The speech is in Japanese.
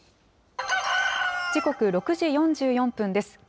時刻６時４４分です。